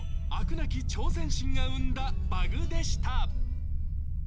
なき挑戦心が生んだバグでした。